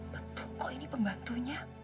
betul kok ini pembantunya